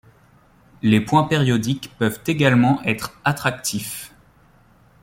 Les points périodiques peuvent également être attractifs.